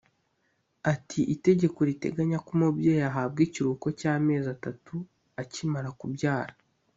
Ati “Itegeko riteganya ko umubyeyi ahabwa ikiruhuko cy’amezi atatu akimara kubyara